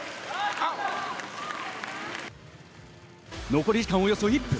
残り時間およそ１分。